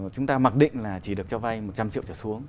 chúng ta mặc định là chỉ được cho vay một trăm linh triệu trở xuống